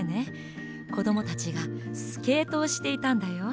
こどもたちがスケートをしていたんだよ。